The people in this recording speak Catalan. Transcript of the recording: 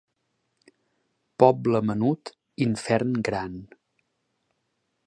Poble menut, infern gran.